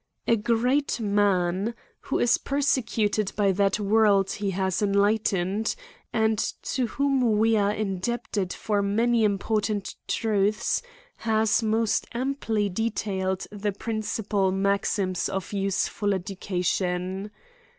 A great man, who is persecuted by that world he hath enlightened, and to whom we are indebt ed for many important truths, hath most amply detailed the principal maxims of useful education.